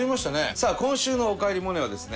さあ今週の「おかえりモネ」はですね